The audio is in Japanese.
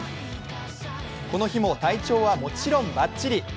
この日も体調はもちろんバッチリ。